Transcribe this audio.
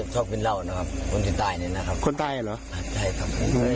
ชอบกินเหล้านะครับคนที่ตายเนี่ยนะครับคนตายเหรอใช่ครับ